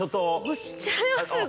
推しちゃいますよ